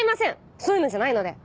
そういうのじゃないので！